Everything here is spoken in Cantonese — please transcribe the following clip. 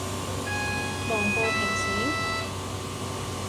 忙過平時？